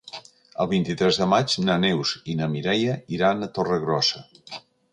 El vint-i-tres de maig na Neus i na Mireia iran a Torregrossa.